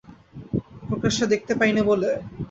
প্রকাশ্যে দেখতে পাই নে বলে।